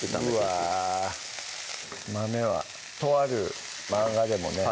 うわ豆はとある漫画でもね